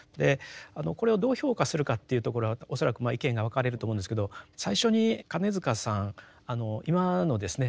これをどう評価するかっていうところは恐らく意見が分かれると思うんですけど最初に金塚さん今のですね